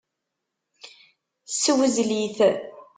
Ssewzel-it.